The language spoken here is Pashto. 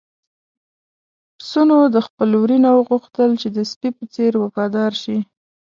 پسونو د خپل وري نه وغوښتل چې د سپي په څېر وفادار شي.